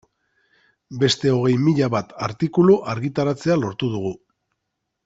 Beste hogei mila bat artikulu argitaratzea lortu dugu.